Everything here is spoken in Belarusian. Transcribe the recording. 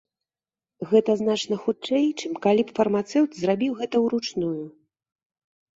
Гэта значна хутчэй, чым калі б фармацэўт зрабіў гэта ўручную.